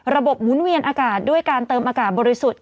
หมุนเวียนอากาศด้วยการเติมอากาศบริสุทธิ์